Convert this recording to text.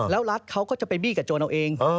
แล้วรัฐเขาก็จะไปบี้กับโจรเอาเอง